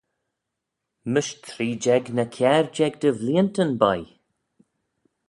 Mysh three-jeig ny kiare-jeig dy vleeantyn, boy.